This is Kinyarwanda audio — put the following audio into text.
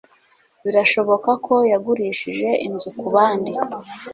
Birashoboka ko yagurishije inzu kubandi